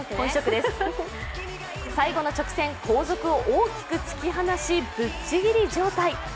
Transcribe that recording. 最後の直線、後続を大きく突き放しぶっちぎり状態。